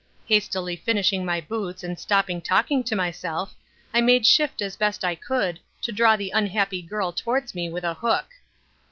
Hastily finishing my boots and stopping talking to myself, I made shift as best I could to draw the unhappy girl towards me with a hook.